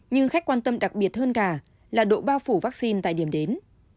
nhưng khách quan tâm đặc biệt hơn cả là độ bao phủ vaccine tại điểm đến